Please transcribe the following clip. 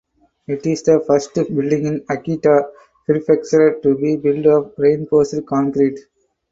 It is the first building in Akita Prefecture to be built of reinforced concrete.